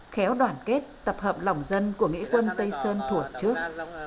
khéo đoàn kết tập hợp lòng dân của nghĩa quân tây sơn thuộc trước